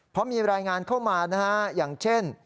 เพราะมีรายงานเข้ามานะฮะอย่างเช่น